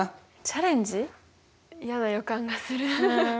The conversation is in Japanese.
チャレンジ？やな予感がする。